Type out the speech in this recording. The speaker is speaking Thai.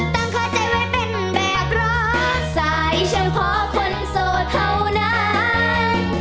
ตั้งค่าใจไว้เป็นแบบรอสายเฉพาะคนโสดเท่านั้น